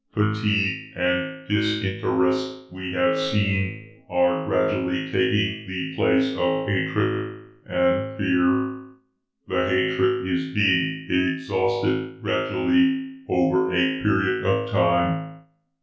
Fatigue and disinterest, we have seen, are gradually taking the place of hatred and fear. The hatred is being exhausted gradually, over a period of time.